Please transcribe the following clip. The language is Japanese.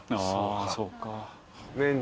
そうか。